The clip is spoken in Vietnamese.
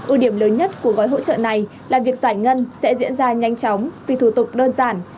ưu điểm lớn nhất của gói hỗ trợ này là việc giải ngân sẽ diễn ra nhanh chóng vì thủ tục đơn giản